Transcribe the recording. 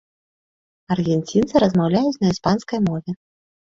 Аргенцінцы размаўляюць на іспанскай мове.